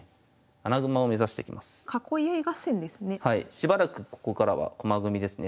しばらくここからは駒組みですね。